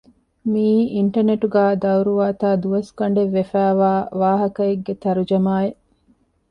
މިއީ އިންޓަނެޓުގައި ދައުރުވާތާ ދުވަސްގަނޑެއް ވެފައިވާ ވާހަކައެކެއްގެ ތަރުޖަމާއެއް